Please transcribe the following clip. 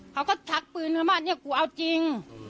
เขาก็ชักปืนท้ำมาดอย่างกูเอาจริง